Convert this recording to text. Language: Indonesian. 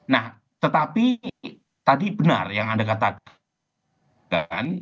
nah tetapi tadi benar yang anda katakan